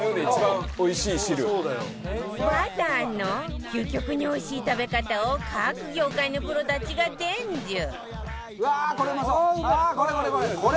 バターの究極においしい食べ方を各業界のプロたちが伝授。